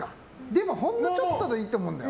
でもほんのちょっとでいいと思うんだよ。